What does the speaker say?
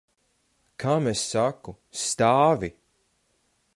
Kam es saku? Stāvi!